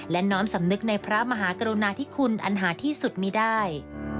และน้อมสำนึกในพระมหากรุณาธิคุณอันหาที่สุดมีได้